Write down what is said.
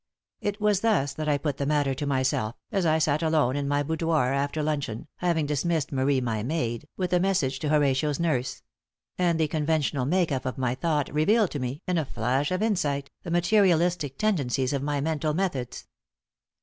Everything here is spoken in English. It was thus that I put the matter to myself, as I sat alone in my boudoir after luncheon, having dismissed Marie, my maid, with a message to Horatio's nurse; and the conventional make up of my thought revealed to me, in a flash of insight, the materialistic tendencies of my mental methods.